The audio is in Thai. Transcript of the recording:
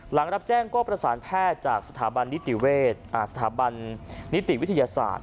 หลังรับแจ้งก็ประสานแพทย์จากสถาบันนิติเวชสถาบันนิติวิทยาศาสตร์